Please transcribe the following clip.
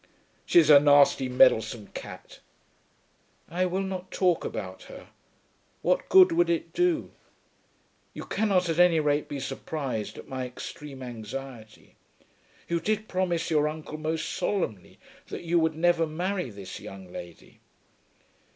"She's a nasty meddlesome cat." "I will not talk about her. What good would it do? You cannot at any rate be surprised at my extreme anxiety. You did promise your uncle most solemnly that you would never marry this young lady."